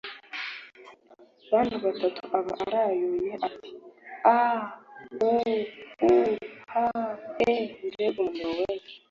bantu batatu aba arayuye ati: aaaawwuuhh! eee mbega umunaniro wee!